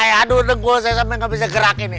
saya adu dengkul saya sampe gak bisa gerak ini